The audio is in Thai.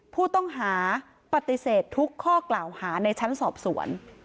ผู้ต้องหาปฏิเสธทุกข้อกล่าวหาในชั้นสอบสวน